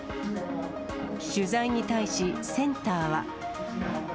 取材に対し、センターは。